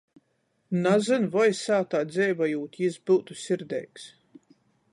Nazyn voi, sātā dzeivojūt, jis byutu sirdeigs...